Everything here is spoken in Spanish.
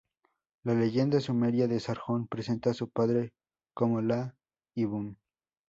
La leyenda sumeria de Sargón presenta a su padre como La’ibum.